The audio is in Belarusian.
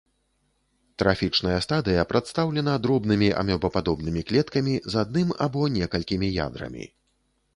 Трафічная стадыя прадстаўлена дробнымі амёбападобнымі клеткамі з адным або некалькімі ядрамі.